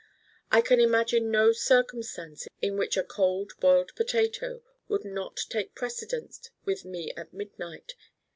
I can imagine no circumstance in which a Cold Boiled Potato would not take precedent with me at midnight.